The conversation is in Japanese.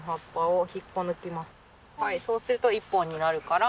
そうすると１本になるから。